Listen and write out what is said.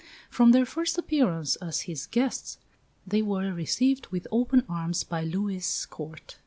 From their first appearance as his guests they were received with open arms by Louis' Court.